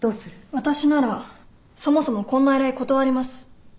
私ならそもそもこんな依頼断ります。